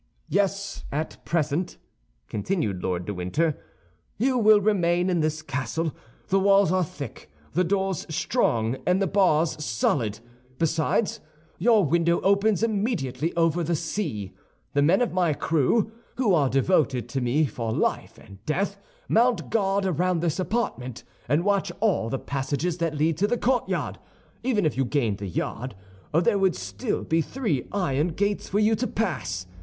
"Yes, at present," continued Lord de Winter, "you will remain in this castle. The walls are thick, the doors strong, and the bars solid; besides, your window opens immediately over the sea. The men of my crew, who are devoted to me for life and death, mount guard around this apartment, and watch all the passages that lead to the courtyard. Even if you gained the yard, there would still be three iron gates for you to pass.